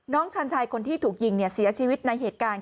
ชันชายคนที่ถูกยิงเสียชีวิตในเหตุการณ์